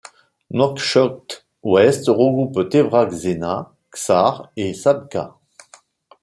Nouakchott-Ouest regroupe Tevragh-Zeina, Ksar et Sabkha.